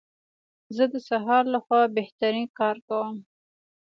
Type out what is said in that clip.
زه د سهار لخوا بهترین کار کوم.